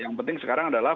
yang penting sekarang adalah